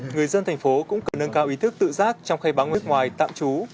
người dân thành phố cũng cần nâng cao ý thức tự giác trong khai báo nước ngoài tạm trú